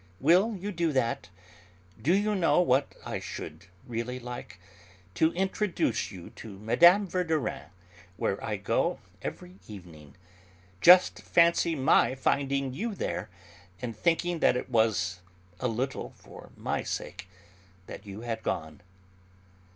Will you do that? Do you know what I should really like to introduce you to Mme. Verdurin, where I go every evening. Just fancy my finding you there, and thinking that it was a little for my sake that you had gone."